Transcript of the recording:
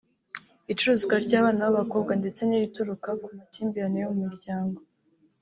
icuruzwa ry’abana b’abakobwa ndetse n’irituruka ku makimbirane yo mu miryango